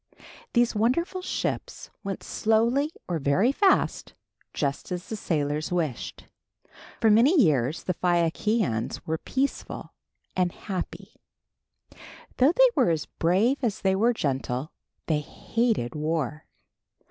These wonderful ships went slowly or very fast just as the sailors wished. For many years the Phaiakians were peaceful and happy. Though they were as brave as they were gentle, they hated war.